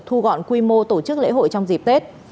thu gọn quy mô tổ chức lễ hội trong dịp tết